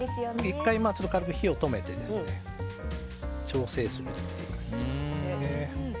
１回軽く火を止めて調整するという。